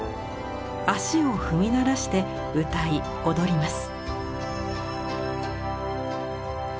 足を踏み鳴らして歌い踊ります。